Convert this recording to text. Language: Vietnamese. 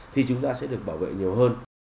thì chúng ta sẽ được bảo vệ nhiều hơn